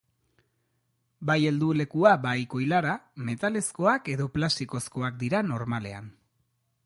Bai heldulekua bai koilara metalezkoak edo plastikozkoak dira normalean.